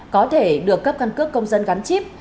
có thể được cấp căn cước công dân gắn chip